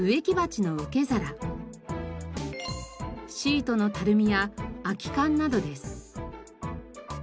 シートのたるみや空き缶などです。